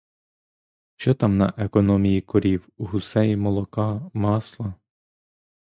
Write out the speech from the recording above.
Що там на економії корів, гусей, молока, масла!